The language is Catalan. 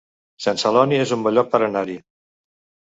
Sant Celoni es un bon lloc per anar-hi